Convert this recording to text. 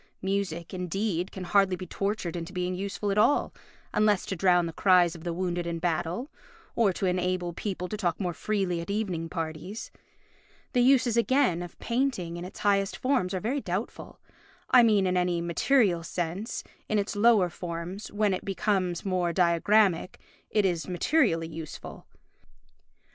Music, indeed, can hardly be tortured into being useful at all, unless to drown the cries of the wounded in battle, or to enable people to talk more freely at evening parties. The uses, again, of painting in its highest forms are very doubtful—I mean in any material sense; in its lower forms, when it becomes more diagrammatic, it is materially useful.